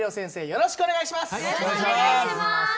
よろしくお願いします！